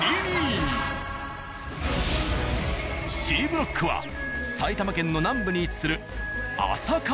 Ｃブロックは埼玉県の南部に位置する。